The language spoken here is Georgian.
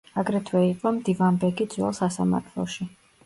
აგრეთვე იყო მდივანბეგი ძველ სასამართლოში.